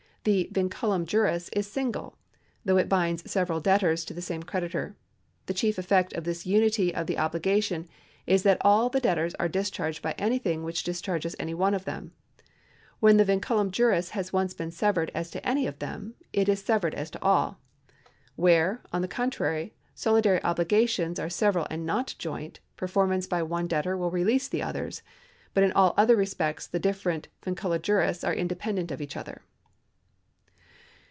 The vinculum juris is single, though it binds several debtors to the same creditor. The chief effect of this unity of the obligation is that all the debtors are discharged by anything which dis charges any one of them. When the vinculum juris has once been severed as to any of them, it is severed as to all. Where, on the contrary, solidary obhgations are several and not joint, performance by one debtor will release the others, but in all other respects the different vincula juris are independent of each other.